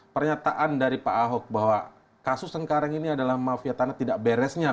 pernyataan dari pak ahok bahwa kasus sekarang ini adalah mafia tanah tidak beresnya